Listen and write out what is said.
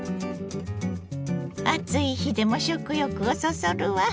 暑い日でも食欲をそそるわ。